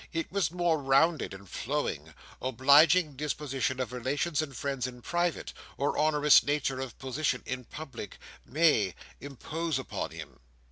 It was more rounded and flowing. Obliging disposition of relations and friends in private, or onerous nature of position in public—may—impose upon him!"